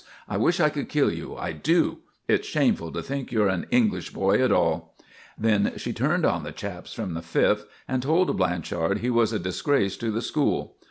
I wish I could kill you, I do. It's shameful to think you're an English boy at all!" Then she turned on the chaps from the Fifth, and told Blanchard he was a disgrace to the school.